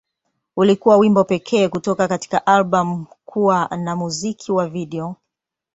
Ulikuwa wimbo pekee kutoka katika albamu kuwa na na muziki wa video.